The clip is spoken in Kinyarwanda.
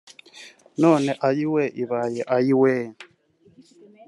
none ‘Ayiwe’ ibaye ‘Ayiwe’